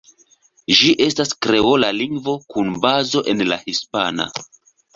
Ĝi estas kreola lingvo, kun bazo en la hispana.